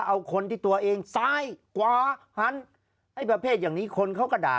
เอาคนที่ตัวเองซ้ายกว่าหันไอ้ประเภทอย่างนี้คนเขาก็ด่า